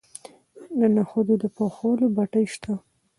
د نخودو د پخولو بټۍ شته.